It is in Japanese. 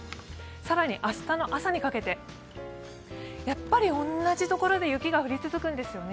更に明日にかけて、やっぱり同じところで雪が降り続くんですよね。